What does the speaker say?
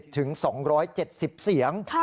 ๒๖๐ถึง๒๗๐เสียง